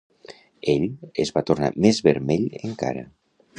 Ell es va tornar més vermell encara.